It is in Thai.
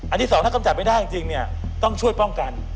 ที่สองถ้ากำจัดไม่ได้จริงเนี่ยต้องช่วยป้องกัน